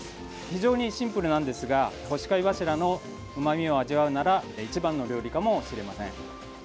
非常にシンプルなんですが干し貝柱のうまみを味わうなら一番の料理かもしれません。